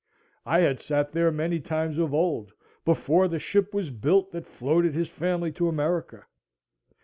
I had sat there many times of old before the ship was built that floated his family to America.